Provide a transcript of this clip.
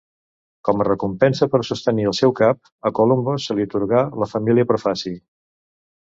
Com a recompensa per sostenir el seu cap, a Colombo se li atorgà la família Profaci.